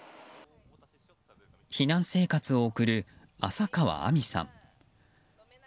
避難生活を送る浅川明海さん。